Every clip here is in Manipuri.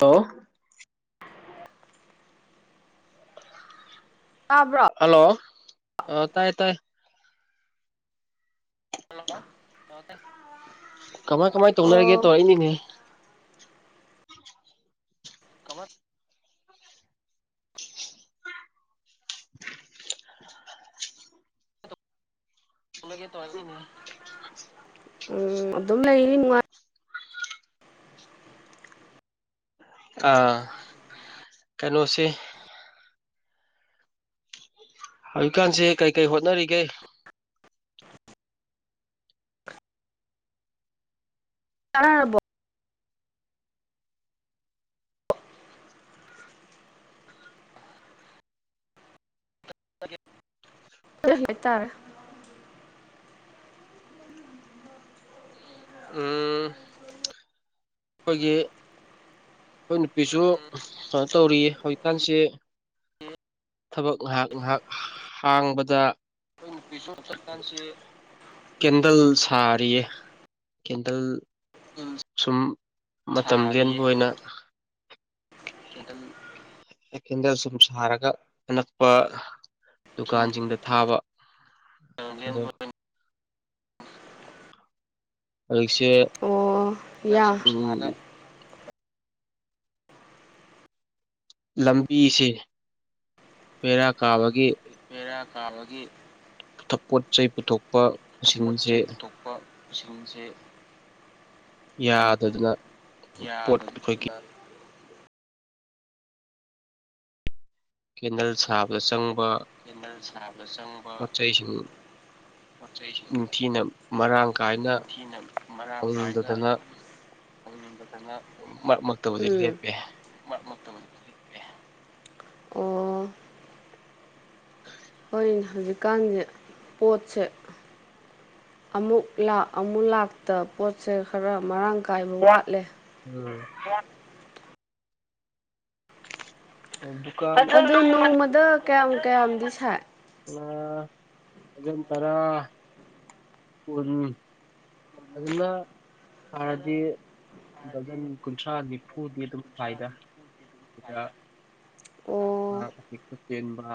ꯍꯜꯂꯣ ꯇꯥꯕ꯭ꯔꯣ ꯍꯜꯂꯣ ꯇꯥꯏꯌꯦ ꯇꯥꯏ [unintelligible] ꯀꯃꯥꯏ ꯀꯃꯥꯏꯅ ꯇꯧꯅꯔꯒꯦ ꯑꯣ ꯇꯣ ꯑꯩꯅꯤꯅꯦ ꯀꯃꯥꯏ ꯎꯝ ꯑꯗꯨꯝ ꯂꯩꯔꯤ ꯅꯨꯡꯉꯥꯏ ꯑꯥ ꯀꯩꯅꯣꯁꯦ ꯍꯧꯖꯤꯛꯀꯥꯟꯁꯦ ꯀꯩ ꯀꯩ ꯍꯣꯠꯅꯔꯤꯒꯦ ꯇꯔꯕꯣ [unintelligible] ꯎꯝ ꯑꯩꯈꯣꯏꯒꯤ ꯑꯩꯈꯣꯏ ꯅꯨꯄꯤꯁꯨ ꯀꯩꯅꯣ ꯇꯧꯔꯤ ꯑꯩꯈꯣꯏ ꯍꯧꯖꯤꯛꯀꯥꯟꯁꯤ ꯊꯕꯛ ꯉꯥꯏꯍꯥꯛ ꯉꯥꯏꯍꯥꯛ ꯍꯥꯡꯕꯗ ꯄꯤꯁꯣꯔ ꯆꯠꯀꯥꯟꯁꯤ ꯀꯦꯟꯗꯜ ꯁꯥꯔꯤꯌꯦ ꯀꯦꯟꯗꯜ ꯀꯦꯟꯗꯜ ꯁꯨꯝ ꯃꯇꯝ ꯂꯦꯟꯕ ꯁꯥꯔꯤꯌꯦ ꯑꯣꯏꯅ [unintelligible] ꯑꯦꯗꯟ ꯁꯨꯝ ꯁꯥꯔꯒ ꯑꯅꯛꯄ ꯁꯨꯝ ꯗꯨꯀꯥꯟꯁꯤꯡꯗ ꯊꯥꯕ ꯑꯗꯣ ꯍꯧꯖꯤꯁꯦ ꯑꯣ ꯌꯥ ꯎꯝ ꯂꯝꯕꯤꯁꯦ ꯕꯦꯔꯥ ꯀꯥꯕꯒꯤ ꯕꯦꯔꯥ ꯀꯥꯕꯒꯤ ꯑꯇꯩ ꯄꯣꯠ ꯆꯩ ꯄꯨꯊꯣꯛꯄ ꯄꯣꯠ ꯄꯨꯁꯤꯟꯁꯦ ꯆꯩ ꯄꯨꯊꯣꯛꯄ ꯁꯤꯒꯨꯝꯕꯁꯦ ꯌꯥꯗꯗꯅ ꯄꯣꯠ ꯑꯩꯈꯣꯏꯒꯤ ꯀꯦꯟꯗꯜ ꯁꯥꯕꯗ ꯆꯪꯕ ꯀꯦꯟꯗꯜ ꯁꯥꯕ ꯆꯪꯕ ꯄꯣꯠ ꯆꯩꯁꯤꯡ ꯄꯣꯠ ꯆꯩꯁꯤꯡ ꯅꯤꯡꯊꯤꯅ ꯃꯔꯥꯡ ꯀꯥꯏꯅ ꯅꯤꯡꯊꯤꯅ ꯃꯔꯥꯡ ꯀꯥꯏꯅ ꯐꯪꯗꯗꯅ [unintelligible] ꯎꯝ ꯃꯔꯛ ꯃꯔꯛꯇꯕꯨꯗꯤ ꯂꯦꯞꯄꯦ [unintelligible] ꯑꯣ [unintelligible] ꯎ [unintelligible] ꯍꯣꯢꯅꯦ ꯍꯧꯖꯤꯛꯀꯥꯟꯁꯦ ꯄꯣꯠꯁꯦ ꯑꯃꯨꯛ ꯂꯥꯛ ꯑꯃꯨꯛ ꯂꯥꯛꯇ ꯄꯣꯠꯁꯦ ꯈꯔ ꯃꯔꯥꯀꯥꯏ ꯀꯥꯏꯕ ꯋꯥꯠꯂꯦ ꯎꯝ ꯗꯨꯀꯥꯟ ꯑꯗꯣ ꯅꯣꯡꯃꯗ ꯀꯌꯥꯝ ꯀꯌꯥꯝꯗꯤ ꯁꯥꯏ ꯑ ꯑꯗꯨꯝ ꯇꯔꯥ ꯀꯨꯟ ꯑꯗꯨꯅ ꯁꯥꯔꯗꯤ ꯗꯖꯟ ꯀꯨꯟꯊ꯭ꯔꯥ ꯅꯤꯐꯨꯗꯤ ꯑꯗꯨꯝ ꯁꯥꯏꯗ ꯑꯗꯨꯗ ꯑꯣ ꯑꯉꯥꯡ ꯑꯄꯤꯛꯄ ꯆꯦꯟꯕ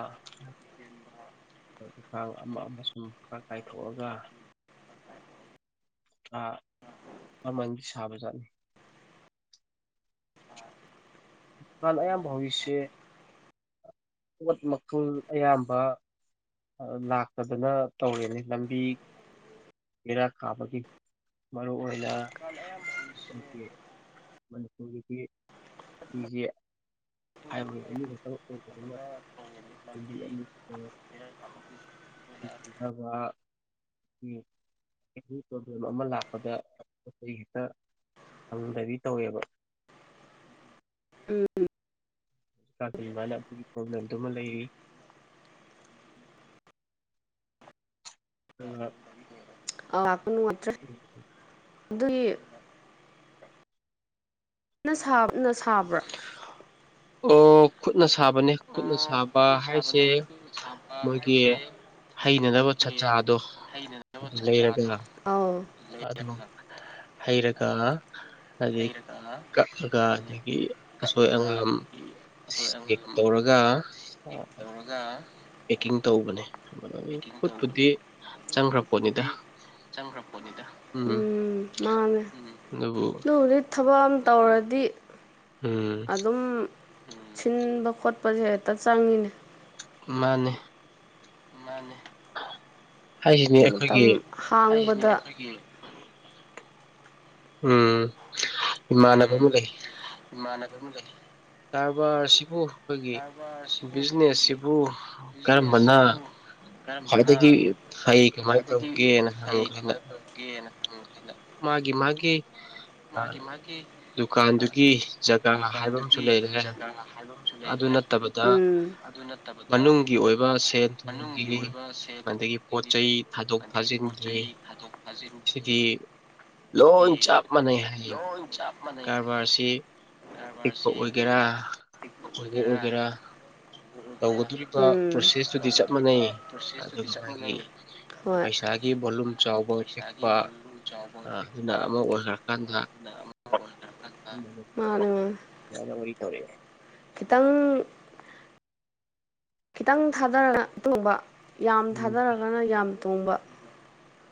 ꯈꯥꯡ ꯑꯃ ꯑꯃ ꯑꯃꯁꯨꯝ ꯈꯔ ꯀꯥꯏꯊꯣꯛꯑꯒ ꯑ ꯃꯃꯟꯗꯤ ꯁꯥꯕꯖꯥꯠꯅꯤ ꯗꯨꯀꯥꯟ ꯑꯌꯥꯝꯕ ꯍꯧꯔꯤꯁꯦ ꯄꯣꯠ ꯃꯈꯜ ꯑꯌꯥꯝꯕ ꯂꯥꯛꯇꯗꯅ ꯇꯧꯔꯤꯅꯤ ꯂꯝꯕꯤ ꯕꯦꯔ ꯀꯥꯕꯒꯤ ꯃꯔꯨ ꯑꯣꯏꯅ ꯑꯩꯒꯤ ꯃꯅꯤꯄꯨꯔꯒꯤꯗꯤ ꯃꯤꯁꯦ ꯍꯥꯏꯋꯦ ꯑꯅꯤ ꯈꯛꯇ ꯑꯣꯏꯕꯅꯤꯅ ꯂꯝꯕꯤ ꯑꯅꯤꯄ ꯂꯝꯕꯤ ꯆꯤꯡꯅꯕ [unintelligible] ꯑꯦꯅꯤ ꯄ꯭ꯔꯣꯕ꯭ꯂꯦꯝ ꯑꯃ ꯂꯥꯛꯄꯗ ꯑꯇꯩ ꯍꯦꯛꯇ ꯐꯪꯗꯕꯤ ꯇꯧꯋꯦꯕ ꯎꯝ ꯀꯁꯤꯟꯕꯅ ꯑꯗꯨꯒꯤ ꯄ꯭ꯔꯣꯕ꯭ꯂꯦꯝꯗꯨꯃ ꯂꯩꯔꯤ ꯑꯗꯨꯒ [unintelligible] ꯑꯗꯨꯏ [unintelligible] ꯅꯪ ꯁꯥꯕꯅ ꯁꯥꯕ꯭ꯔꯥ ꯑꯣ ꯈꯨꯠꯅ ꯁꯥꯕꯅꯦ ꯈꯨꯠꯅ ꯁꯥꯕ ꯍꯥꯏꯁꯦ ꯃꯣꯏꯒꯤ ꯍꯩꯅꯅꯕ ꯁꯠꯆꯥꯗꯣ ꯑꯗꯨ ꯂꯩꯔꯒ ꯑꯥꯎ ꯑꯗꯨꯝ ꯍꯩꯔꯒ ꯑꯗꯩꯩ ꯀꯛꯑꯒ ꯑꯗꯒꯤ ꯑꯁꯣꯏ ꯑꯉꯥꯝ ꯆꯦꯛ ꯇꯧꯔꯒ ꯇꯧꯔꯒ ꯄꯦꯛꯀꯤꯡ ꯇꯧꯕꯅꯤ ꯈꯨꯨꯠꯄꯨꯗꯤ ꯆꯪꯈ꯭ꯔ ꯄꯣꯠꯅꯤꯗ ꯆꯪꯈ꯭ꯔ ꯄꯣꯠꯅꯤꯗ ꯎꯝ ꯃꯥꯅꯦ ꯑꯗꯨꯕꯨ ꯑꯗꯨꯕꯨꯗꯤ ꯊꯕꯛ ꯑꯝ ꯇꯧꯔꯗꯤ ꯎꯝ ꯑꯗꯨꯝ ꯁꯤꯟꯕ ꯈꯣꯠꯄꯁꯦ ꯍꯦꯛꯇ ꯆꯪꯉꯤꯅꯦ ꯃꯥꯅꯤ ꯃꯥꯅꯤ ꯍꯥꯏꯁꯤꯅꯦ ꯃꯇꯝ ꯑꯩꯈꯣꯏꯒꯤ ꯍꯥꯡꯕꯥꯗ ꯎꯝ ꯏꯃꯥꯟꯅꯕ ꯑꯃ ꯂꯩ ꯏꯃꯥꯟꯅꯕꯗꯨ ꯂꯩ ꯀ꯭ꯔꯕꯥꯔꯁꯤꯕꯨ ꯀ꯭ꯔꯕꯥꯔꯁꯤꯕꯨ ꯑꯩꯈꯣꯏꯒꯤ ꯕꯤꯖꯤꯅꯦꯁꯁꯤꯕꯨ ꯀꯔꯝꯕꯅꯣ ꯑꯗꯒꯤ ꯍꯩ ꯀꯃꯥꯏꯅ ꯇꯧꯒꯦꯅ ꯍꯪ ꯀꯥꯟꯗ ꯒꯦꯅ ꯍꯪꯉꯥꯀꯥꯟꯗ ꯃꯥꯒꯤ ꯃꯥꯒꯤ ꯃꯥꯒꯤ ꯃꯥꯒꯤ ꯗꯨꯀꯥꯟꯗꯨꯒꯤ ꯖꯒꯥ ꯍꯥꯏꯕ ꯑꯃꯁꯨ ꯂꯩꯔꯦ ꯑꯗꯨ ꯅꯠꯇꯥꯕ ꯗ ꯎꯝ ꯃꯅꯨꯡꯒꯤ ꯑꯣꯏꯕ ꯁꯦꯟ ꯊꯨꯝꯒꯤ ꯑꯗꯒꯤ ꯄꯣꯠ ꯆꯩꯩ ꯊꯥꯗꯣꯛ ꯊꯥꯖꯤꯟꯒꯤ ꯁꯤꯗꯤ ꯂꯣꯟ ꯆꯞ ꯃꯥꯟꯅꯩ ꯍꯥꯏ ꯂꯣꯏ ꯆꯞ ꯀꯔꯕꯥꯔꯁꯤ ꯄꯤꯛꯄꯥ ꯑꯣꯏꯒꯦꯔꯥ ꯑꯆꯧꯕ ꯑꯣꯏꯒꯦꯔꯥ ꯇꯧꯒꯗꯣꯔꯤꯕ ꯎꯝ ꯄ꯭ꯔꯣꯁꯦꯁꯇꯨꯗꯤ ꯆꯞ ꯃꯥꯟꯅꯩ ꯑꯗꯨꯒ ꯃꯥꯒꯤ ꯍꯣꯏ ꯄꯩꯁꯥꯒꯤ ꯚꯣꯂꯨꯝ ꯆꯥꯎꯕ ꯄꯤꯛꯄ ꯑꯗꯨꯅ ꯑꯃꯥ ꯑꯣꯏꯈ꯭ꯔꯥꯀꯥꯟꯗ ꯃꯥꯅꯦ ꯃꯥꯅꯦ [unintelligible] ꯌꯥꯅꯕꯩ ꯇꯧꯔꯤꯅꯦ ꯈꯤꯇꯪ ꯈꯤꯇꯪ ꯊꯥꯗꯔꯒ ꯇꯣꯡꯕ ꯌꯥꯝ ꯎꯝ ꯊꯥꯗꯔꯒꯅ ꯌꯥꯝ ꯇꯣꯡꯕ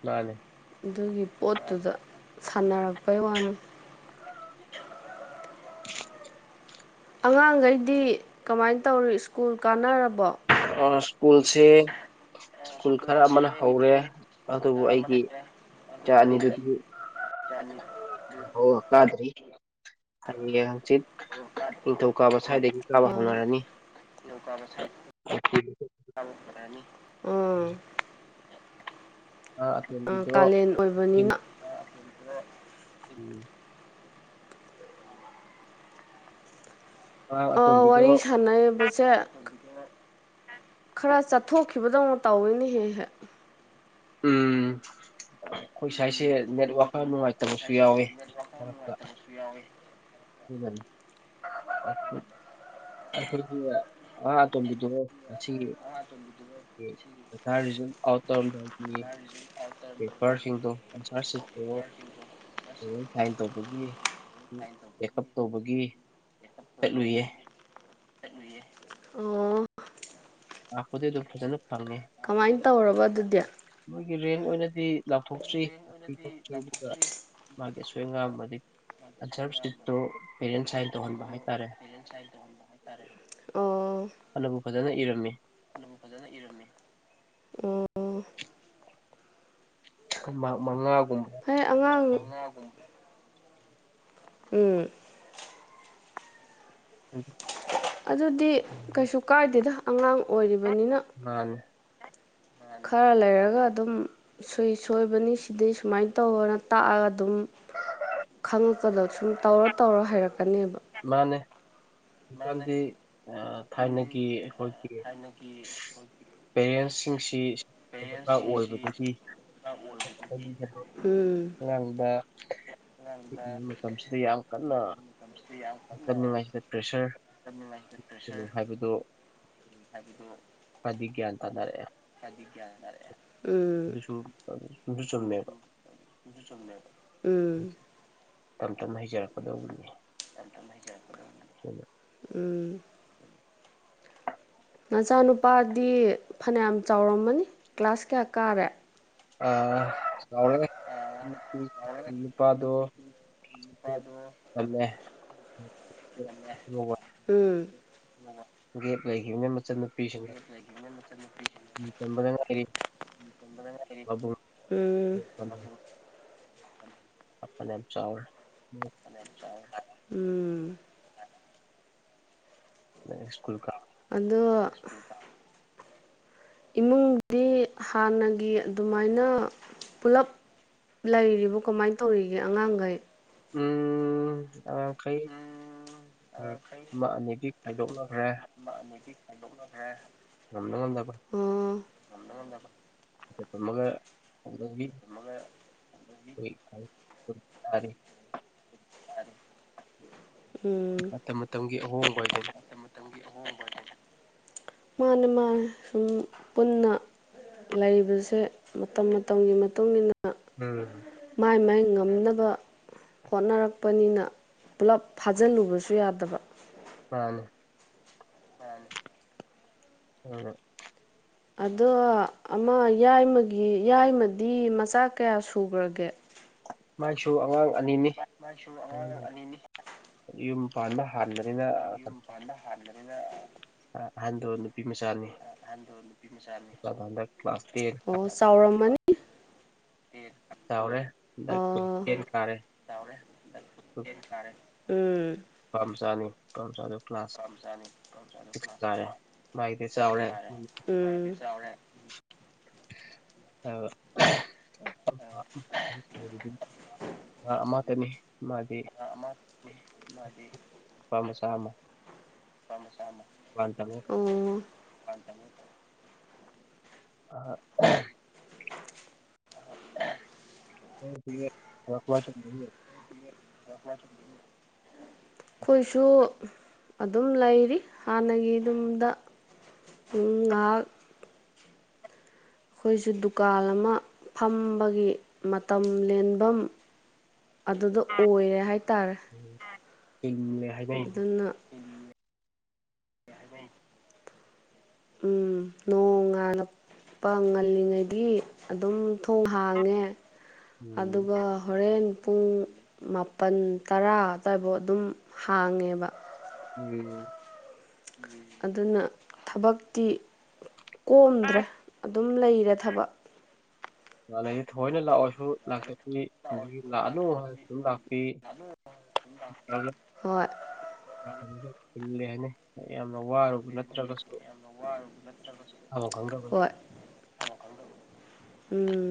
ꯃꯥꯅꯤ ꯑꯗꯨꯒꯤ ꯄꯣꯠꯇꯨꯗ ꯁꯥꯟꯅꯔꯛꯄꯩ ꯋꯥꯅꯤ ꯑꯉꯥꯡꯈꯩꯗꯤ ꯀꯃꯥꯏ ꯇꯧꯔꯤ ꯁ꯭ꯀꯨꯜ ꯀꯥꯟꯅꯔꯕꯣ ꯑꯥ ꯁ꯭ꯀꯨꯜꯁꯦ ꯁ꯭ꯀꯨꯜ ꯈꯔꯥ ꯑꯃꯥꯅ ꯍꯧꯔꯦ ꯑꯗꯨꯕꯨ ꯑꯩꯒꯤ ꯏꯆꯥ ꯑꯅꯤꯗꯨꯗꯤ [unintelligible] ꯀꯥꯗ꯭ꯔꯤ ꯍꯌꯦꯡ ꯍꯪꯆꯤꯠ ꯅꯤꯡꯊꯧꯀꯥꯕ ꯁ꯭ꯋꯥꯏꯗꯒꯤ ꯀꯥꯕ ꯍꯧꯅꯔꯅꯤ ꯅꯤꯡꯗꯧ ꯀꯥꯕ ꯁꯥꯏꯗꯩ [unintelligible] [unintelligible] ꯑꯉꯥꯡ ꯑꯥ ꯑꯇꯣꯝꯕꯤꯗꯣ ꯀꯥꯂꯦꯟ ꯑꯣꯏꯕꯅꯤꯅ ꯎꯝ ꯑꯉꯥꯡ ꯑꯥ ꯑꯇꯣꯝꯕꯤꯗꯣ ꯋꯥꯔꯤ ꯁꯥꯟꯅꯩꯕ ꯁꯦ ꯈꯔ ꯆꯠꯊꯣꯛꯈꯤꯕꯗꯧꯅ ꯇꯧꯋꯤꯅꯦꯍꯦꯛ ꯍꯦꯛ ꯎꯝ ꯑꯩꯈꯣꯏ ꯁ꯭ꯋꯥꯁꯦ ꯅꯦꯠꯋꯥꯛ ꯈꯔꯥ ꯅꯨꯡꯉꯥꯏ ꯁꯥꯏꯁꯦ ꯅꯦꯠ ꯋꯥꯛ ꯈꯔꯥ ꯅꯨꯡꯉꯥꯏꯇꯕꯁꯨ ꯌꯥꯎꯋꯦ [unintelligible] ꯑꯩꯈꯣꯏꯒꯤ ꯑꯥ ꯑꯇꯣꯝꯕꯤꯗꯣ ꯉꯁꯤꯒꯤ [unintelligible] ꯄꯩꯈꯥ ꯔꯤꯖꯜ ꯑꯥꯎꯠ ꯇꯧꯔꯝꯗꯥꯏꯒꯤ ꯄꯦꯄꯔꯁꯤꯡꯗꯣ ꯑꯟꯁꯥꯔꯁꯤꯞꯇꯣ [unintelligible] ꯇꯧꯕꯒꯤ ꯆꯦꯛꯀꯞ ꯇꯧꯕꯒꯤ ꯆꯠꯂꯨꯏꯌꯦ ꯑꯣ ꯂꯥꯛꯄꯥꯗꯤ ꯑꯗꯨꯝ ꯐꯖꯅ ꯐꯪꯉꯦ ꯀꯃꯥꯏ ꯇꯧꯔꯕ ꯑꯗꯨꯗꯤ ꯃꯣꯏꯒꯤ ꯔꯦꯟ ꯑꯣꯏꯅꯗꯤ ꯂꯥꯎꯊꯣꯛꯇ꯭ꯔꯤ ꯄꯤꯊꯣꯛꯇ꯭ꯔꯤ ꯑꯗꯨꯒ ꯃꯥꯒꯤ ꯑꯁꯣꯏ ꯑꯉꯥꯝꯃꯗꯤ ꯁꯥꯏꯟ ꯇꯧꯍꯟꯕ ꯍꯥꯏꯇꯥꯔꯦ ꯁꯅꯤ ꯑꯗꯨꯅꯕꯨ ꯐꯖꯅ ꯏꯔꯝꯃꯤ ꯐꯖꯅ ꯏꯔꯝꯃꯦ ꯎ ꯃꯉꯥꯒꯨꯝꯕ ꯍꯣꯏ ꯑꯉꯥꯡ ꯍ ꯎꯝ ꯑꯗꯨꯗꯤ ꯀꯩꯁꯨ ꯀꯥꯏꯗꯦꯗ ꯑꯉꯥꯡ ꯑꯣꯏꯔꯤꯕꯅꯤꯅ ꯃꯥꯅꯦ ꯈꯔ ꯂꯩꯔꯒ ꯑꯗꯨꯝ ꯁꯨꯏ ꯁꯣꯏꯕꯅꯤ ꯁꯤꯗꯤꯩ ꯁꯨꯃꯥꯏꯅ ꯇꯧ ꯇꯥꯛꯑꯒ ꯑꯗꯨꯝ ꯈꯪꯉꯛꯄꯗ ꯁꯨꯝ ꯇꯧꯔ ꯇꯧꯔ ꯍꯩꯔꯛꯀꯅꯦꯕ ꯃꯥꯅꯦ ꯍꯧꯖꯤꯀꯥꯟꯗꯤ ꯊꯥꯏꯅꯒꯤ ꯑꯩꯈꯣꯏꯒꯤ ꯄꯦꯔꯦꯟꯁꯁꯤꯡꯁꯤ ꯗꯔꯀꯥꯔ ꯑꯣꯏꯕꯗꯒꯤ ꯎꯝ ꯑꯉꯥꯡꯕ ꯄꯤꯛꯂꯤꯉ ꯃꯇꯝꯁꯤꯗ ꯌꯥꯝ ꯀꯟꯅꯝꯉꯥꯏꯁꯤꯗ ꯄ꯭ꯔꯦꯁ ꯅꯨꯡꯉꯥꯏꯇ ꯄ꯭ꯔꯦꯁꯔ ꯍꯥꯏꯕꯗꯣ ꯀꯗꯤꯒꯦꯌꯥ ꯇꯅꯔꯦ ꯆꯗꯤꯔꯦ ꯁꯨ ꯆꯟꯃꯦꯕ ꯎꯝ ꯇꯞ ꯇꯞꯅ ꯍꯩꯖꯔꯛꯀꯗꯧꯕꯅꯤ ꯁꯇ ꯆꯄ ꯎ ꯎꯝ ꯅꯆꯥꯅꯨꯄꯥꯗꯤ ꯐꯅꯌꯥꯝ ꯆꯥꯎꯔꯝꯃꯅꯤ ꯀ꯭ꯂꯥꯁ ꯀꯌꯥ ꯀꯥꯔꯦ ꯑ ꯆꯥꯎꯔꯦ ꯅꯨꯄꯥꯗꯣ ꯄꯥ ꯑꯗꯨ ꯑꯂꯦ ꯎꯝ ꯒꯦꯞ ꯂꯩꯈꯤꯕꯅ ꯃꯆꯟꯅꯨꯄꯤꯁꯤꯡꯅ ꯇꯝꯕꯗ ꯉꯥꯏꯔꯤ ꯃꯕꯨꯡ ꯎꯝ ꯌꯥꯝ ꯆꯥꯎ ꯎꯝ ꯁꯀꯨ ꯀ ꯑꯗꯣ ꯏꯃꯨꯡꯗꯤ ꯍꯥꯟꯅꯒꯤ ꯑꯗꯨꯃꯥꯏꯅ ꯄꯨꯂꯞ ꯂꯩꯔꯤꯕ ꯀꯃꯥꯏꯅ ꯇꯧꯔꯤꯒꯦ ꯑꯉꯥꯡꯈꯩ ꯎꯝꯈꯩ ꯃꯥꯕꯤ ꯍꯥꯏꯥꯏꯗꯣꯛꯂꯈ꯭ꯔꯦ ꯅꯤꯤ ꯈꯥꯏꯗꯣꯛꯅꯈ꯭ꯔꯦ ꯅꯗ ꯉꯗꯄꯥ ꯎꯝ ꯇꯝꯃꯒ ꯑꯗꯒꯤ ꯇꯥꯔꯤ ꯑꯗꯨꯗ ꯃꯇꯝ ꯃꯇꯝꯒꯤ ꯑꯍꯣꯡꯕ ꯍꯥꯏꯗ ꯃꯥꯅꯦ ꯃꯥ ꯁꯨꯝ ꯄꯨꯟꯅ ꯂꯩꯕꯁꯦ ꯃꯇꯝ ꯃꯇꯝꯒꯤ ꯃꯇꯨꯡ ꯃꯇꯨꯡꯏꯟꯅ ꯎꯝ ꯃꯥꯏ ꯃꯥꯏ ꯉꯝꯅꯕ ꯍꯣꯠꯅꯔꯛꯄꯅꯤꯅ ꯄꯨꯂꯞ ꯐꯥꯖꯤꯜꯂꯨꯕꯁꯨ ꯌꯥꯗꯕ ꯃꯥꯅꯦ [unintelligible] ꯎꯝ ꯑꯗꯣ ꯑꯃ ꯌꯥꯏꯃꯒꯤ ꯌꯥꯏꯃꯗꯤ ꯃꯆꯥ ꯀꯌꯥ ꯁꯨꯈ꯭ꯔꯒꯦ ꯃꯥꯏꯁꯨ ꯑꯉꯥꯡ ꯑꯅꯤꯅꯤ ꯃꯥꯏꯁꯨ ꯑꯉꯥꯡ ꯑꯅꯤꯅꯤ ꯌꯨꯝ ꯄꯥꯟꯕ ꯍꯥꯟꯕꯅꯤꯅ ꯍꯟꯕꯅꯤꯅ ꯑꯍꯟꯗꯣ ꯅꯨꯄꯤ ꯃꯆꯥꯅꯤ ꯍꯟꯗꯛ ꯀ꯭ꯂꯥꯁ ꯇꯦꯟ ꯑꯣ ꯆꯥꯎꯔꯝꯃꯅꯤ ꯆꯥꯎꯔꯦ ꯗꯛ ꯑꯣ ꯇꯦꯟ ꯀꯥꯔꯦ ꯎꯝ ꯄꯝꯆꯅꯤ ꯄꯥꯝꯆꯗꯣ ꯀ꯭ꯂꯥꯁ ꯁꯤꯛꯁ ꯀꯔꯦ ꯃꯥꯏꯗꯤ ꯆꯥꯎꯔꯦ ꯎ ꯆꯥꯎꯔꯦ ꯑ [unintelligible] ꯑ ꯃꯥ ꯇꯅꯤ ꯃꯥꯗꯤ ꯅꯨꯄꯥ ꯃꯆꯥꯃ ꯑꯩꯈꯣꯏꯁꯨ ꯑ [inaudible] [inaudible] [unintelligible] ꯑꯩꯈꯣꯏꯁꯨ ꯑꯗꯨꯝ ꯂꯩꯔꯤ ꯍꯥꯟꯅꯒꯤ ꯑꯗꯨꯝꯗ ꯉꯥꯍꯥꯛ ꯑꯩꯈꯣꯏꯁꯨ ꯗꯨꯀꯥꯟ ꯑꯃ ꯐꯝꯕꯒꯤ ꯃꯇꯝ ꯂꯦꯟꯐꯝ ꯑꯗꯨꯗ ꯑꯣꯏꯔꯦ ꯍꯥꯏꯇꯥꯔꯦ ꯎꯝ [unintelligible] ꯑꯗꯨꯅ ꯎꯝ ꯅꯣꯡ ꯉꯥꯜꯂꯛꯄ ꯉꯜꯂꯤꯉꯩꯗꯒꯤ ꯑꯗꯨꯝ ꯊꯣꯡ ꯍꯥꯡꯉꯦ ꯎꯝ ꯑꯗꯨꯒ ꯍꯣꯔꯦꯟ ꯄꯨꯡ ꯃꯥꯄꯜ ꯇꯔꯥ ꯑꯗꯨ꯭ꯋꯥꯏꯐꯥꯎ ꯑꯗꯨꯝ ꯍꯥꯡꯉꯦꯕ ꯎꯝ ꯑꯗꯨꯅ ꯊꯕꯛꯇꯤ ꯀꯣꯝꯗ꯭ꯔꯦ ꯑꯗꯨꯝ ꯂꯩꯔꯦ ꯊꯕꯛ ꯑꯗꯨꯗꯗꯤ ꯊꯑꯣꯏꯅ ꯂꯥꯛꯑꯣꯁꯨ ꯂꯥꯛꯇꯗꯤ ꯍꯣꯏ ꯍꯥꯏꯅꯤ ꯌꯥꯝꯅ ꯋꯥꯔꯨꯕ ꯅꯠꯇ꯭ꯔꯒꯁꯨ ꯊꯥꯕꯝ ꯈꯪꯗꯕ ꯍꯣꯏ ꯎꯝ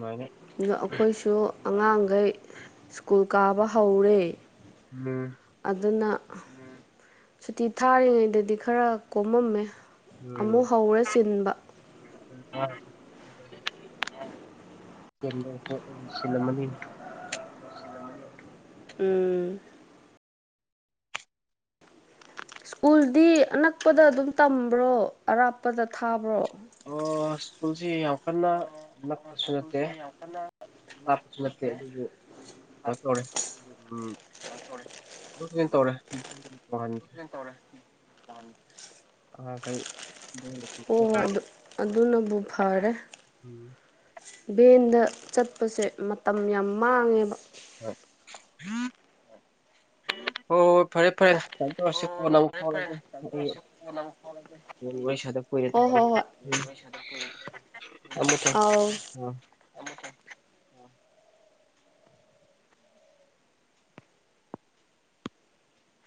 ꯃꯥꯅꯦ ꯑ ꯑꯩꯈꯣꯏꯁꯨ ꯑꯉꯥꯡꯈꯩ ꯁ꯭ꯀꯨꯜ ꯀꯥꯕ ꯍꯧꯔꯦ ꯎꯝ ꯑꯗꯨꯅ ꯁꯨꯇꯤ ꯊꯥꯔꯤꯉꯩꯗꯗꯤ ꯈꯔ ꯀꯣꯝꯃꯝꯃꯦ ꯑꯃꯨꯛ ꯍꯧꯔꯦ ꯆꯤꯟꯕ ꯆꯤꯜꯂꯝꯃꯅꯤ ꯎꯝ ꯁ꯭ꯀꯨꯜꯗꯤ ꯑꯅꯛꯄꯗ ꯑꯗꯨꯝ ꯇꯝꯕ꯭ꯔꯣ ꯑꯔꯥꯞꯄꯗ ꯊꯥꯕ꯭ꯔꯣ ꯑꯣ ꯁ꯭ꯀꯨꯜꯁꯤ ꯌꯥꯝ ꯀꯟꯅ ꯅꯛꯄꯁꯨ ꯅꯠꯇꯦ ꯁꯀꯨꯜꯁꯤ ꯌꯥꯝ ꯀꯟꯅ ꯂꯥꯞꯄꯁꯨ ꯅꯠꯇꯦ ꯑꯗꯨꯕꯨ ꯀꯩꯅꯣ ꯇꯧꯔꯦ ꯎꯝ [inaudible] [unintelligible] ꯑꯣ ꯑꯗꯨ ꯑꯗꯨꯅꯕꯨ ꯐꯔꯦ ꯎꯝ ꯚꯦꯟꯗ ꯆꯠꯄꯁꯦ ꯃꯇꯝ ꯌꯥꯝ ꯃꯥꯡꯉꯦꯕ ꯍꯣꯏ ꯍꯣꯏ ꯐꯔꯦ ꯐꯔꯦ [unintelligible] ꯇꯧꯔꯁꯤ ꯀꯣꯟꯅ ꯑꯃꯨꯛ ꯐꯥꯎꯔꯛꯑꯒꯦ ꯑꯩ ꯋꯥꯔꯤ ꯁꯥꯗ ꯀꯨꯏꯔꯦ ꯍꯣ ꯊꯝꯃꯦ ꯍꯣ ꯍꯣꯏ [unintelligible] ꯑꯥꯎ [unintelligible] [unintelligible]